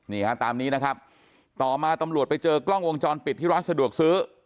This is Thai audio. นี่ฮะตามนี้นะครับต่อมาตำรวจไปเจอกล้องวงจรปิดที่ร้านสะดวกซื้อ